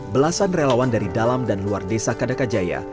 belasan relawan dari dalam dan luar desa kadakajaya